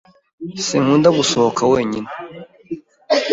Sinkunda gusohoka wenyine.